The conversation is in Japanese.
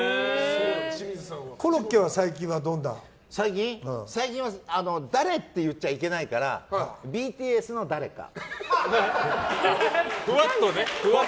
コロッケは最近どんなの？最近は誰って言っちゃいけないからふわっとね。